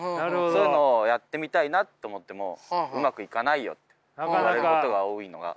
そういうのをやってみたいなって思っても「うまくいかないよ」って言われることが多いのが。